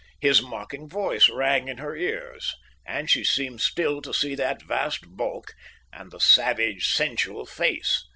His mocking voice rang in her ears, and she seemed still to see that vast bulk and the savage, sensual face.